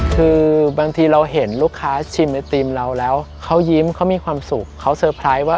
คือบางทีเราเห็นลูกค้าชิมไอติมเราแล้วเขายิ้มเขามีความสุขเขาเซอร์ไพรส์ว่า